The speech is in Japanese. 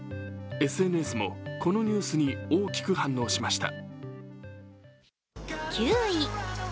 ＳＮＳもこのニュースに大きく反応しました。